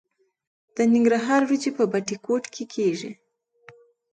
د ننګرهار وریجې په بټي کوټ کې کیږي.